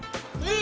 え？